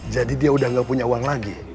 jadi dia udah gak punya uang lagi